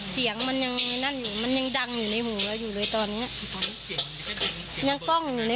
สนั่นเลยครับ